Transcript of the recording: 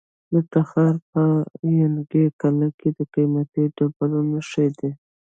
د تخار په ینګي قلعه کې د قیمتي ډبرو نښې دي.